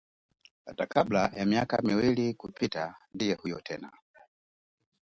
Hata kabla ya miaka mwili kupita ndiye huyo tena